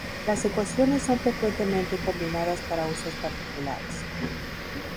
Las ecuaciones son frecuentemente combinadas para usos particulares.